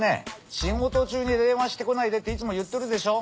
仕事中に電話してこないでっていつも言ってるでしょう。